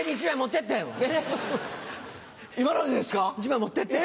１枚持ってって。